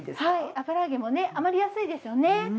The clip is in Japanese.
油揚げもね余りやすいですよね。